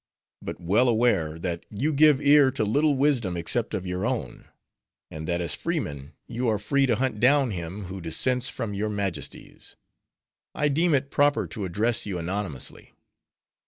But well aware, that you give ear to little wisdom except of your own; and that as freemen, you are free to hunt down him who dissents from your majesties; I deem it proper to address you anonymously.